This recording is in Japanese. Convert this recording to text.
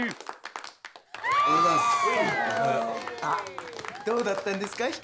あっどうだったんですか？